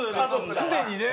すでにね。